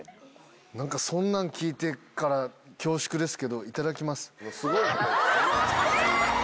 何かそんなん聞いてから恐縮ですけどいただきます。